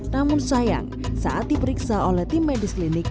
namun sayang saat diperiksa oleh tim medis klinik